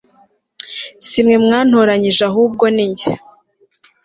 si mwe mwantoranyije ahubwo ni jye